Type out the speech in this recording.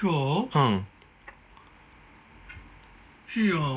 うん？